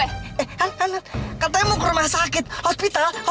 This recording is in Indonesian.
eh katanya mau ke rumah sakit hospital